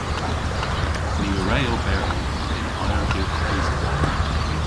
Ni a wre oberi yn ayrgylgh bysi.